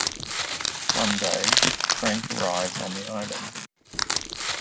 One day, Frank arrives on the island.